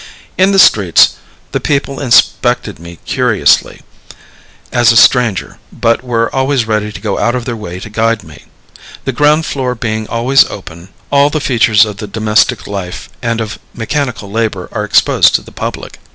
In the streets, the people inspected me curiously, as a stranger, but were always ready to go out of their way to guide me. The ground floor being always open, all the features of domestic life and of mechanical labor are exposed to the public.